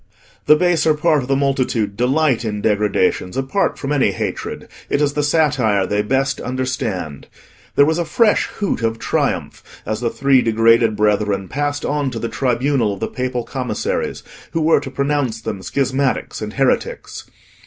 The baser part of the multitude delight in degradations, apart from any hatred; it is the satire they best understand. There was a fresh hoot of triumph as the three degraded brethren passed on to the tribunal of the Papal Commissaries, who were to pronounce them schismatics and heretics.